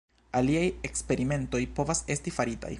Aliaj eksperimentoj povas esti faritaj.